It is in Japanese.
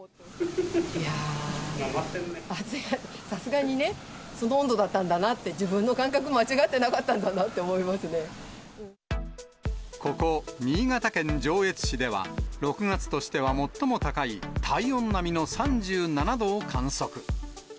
いやぁ、暑い、さすがにね、その温度だったんだなって、自分の感覚間違ってなかったんだここ、新潟県上越市では、６月としては最も高い体温並みの３７度を観測。